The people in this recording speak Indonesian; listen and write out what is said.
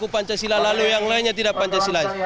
pancasila lalu yang lainnya tidak pancasilais